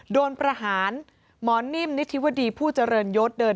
โดนประหารหมอนิ่มนิธิวดีผู้เจริญยศเดิน